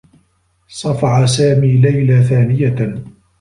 صفع سامي ليلى ثانية.